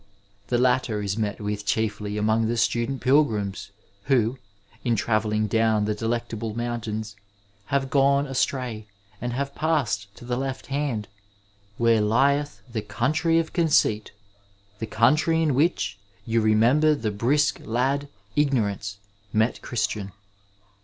The latter is met with chiefly among the student pilgrims who, in travelling down the Delectable Mountains, have gone astray and have passed to the left hand, where lieth the country, of Conceit, the country in which you remember the brisk lad Ignorance met Christian.